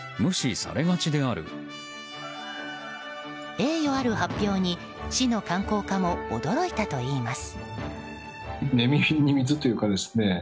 栄誉ある発表に市の観光課も驚いたといいます。